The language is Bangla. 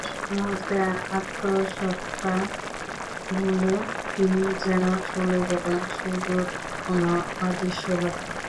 মুহূর্তে আত্মসত্ত্বা ভুলে তিনি যেন চলে গেলেন সুদূর কোন অদৃশ্যলোকে।